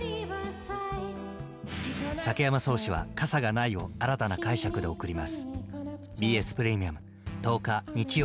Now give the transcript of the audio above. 崎山蒼志は「傘がない」を新たな解釈でおくります。